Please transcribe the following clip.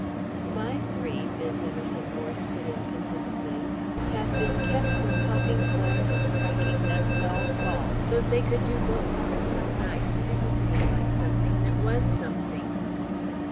"My three," Mis' Emerson Morse put in pacifically, "have been kept from popping corn and cracking nuts all Fall so's they could do both Christmas night, and it would seem like something that was something."